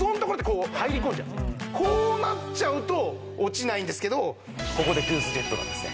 要はこうなっちゃうと落ちないんですけどここでトゥースジェットなんですね。